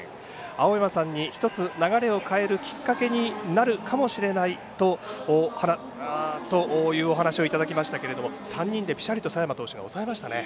青山さんに１つ流れを変えるきっかけになるかもしれないというお話をいただきましたけれども３人で、ぴしゃりと佐山投手が抑えましたね。